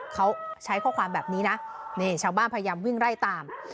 เขาใช้ข้อความแบบนี้นะนี่ชาวบ้านพยายามวิ่งไล่ตาม